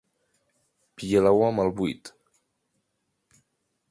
Vigileu amb el buit.